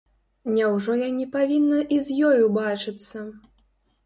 Няўжо я не павінна і з ёю бачыцца?